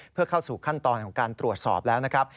เพื่อเข้าสู่ขั้นตอนของการตรวจสอบแล้วนะครับ